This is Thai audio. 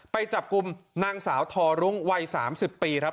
ไปจับกลุ่มนางสาวทอรุ้งวัย๓๐ปีครับ